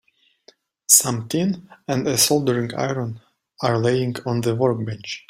Some tin and a soldering iron are laying on the workbench.